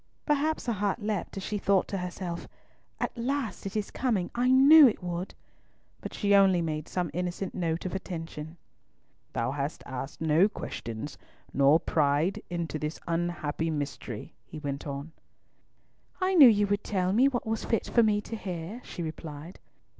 Perhaps her heart leapt as she thought to herself, "At last it is coming, I knew it would!" but she only made some innocent note of attention. "Thou hast asked no questions, nor tried to pry into this unhappy mystery," he went on. "I knew you would tell me what was fit for me to hear," she replied.